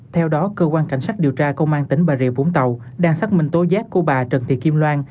theo đó cơ quan cảnh sát điều tra công an tỉnh bà rịa vũng tàu đang xác minh tố giác của bà trần thị kim loan